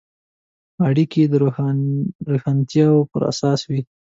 اړیکې یې د رښتیاوو پر اساس وي.